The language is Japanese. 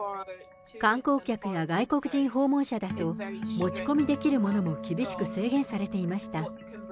観光客や外国人訪問者だと持ち込みできるものも厳しく制限されていました。